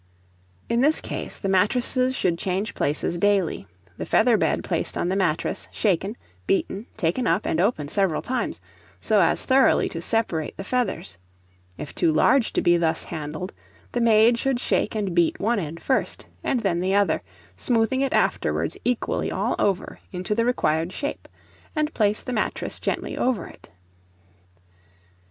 In this case, the mattresses should change places daily; the feather bed placed on the mattress shaken, beaten, taken up and opened several times, so as thoroughly to separate the feathers: if too large to be thus handled, the maid should shake and beat one end first, and then the other, smoothing it afterwards equally all over into the required shape, and place the mattress gently over it.